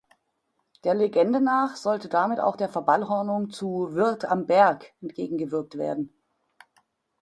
Der Legende nach sollte damit auch der Verballhornung zu „Wirt am Berg“ entgegengewirkt werden.